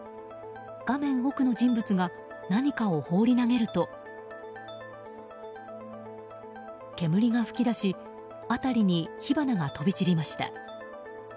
画面奥の人物が何かを放り投げると煙が噴き出し辺りに火花が飛び散りました。